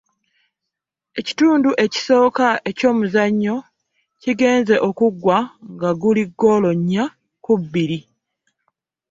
Ekitundu ekisooka eky'omuzannyo kigenze okuggwa nga guli ggoolo nnya ku bbiri.